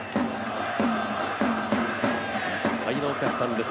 いっぱいのお客さんです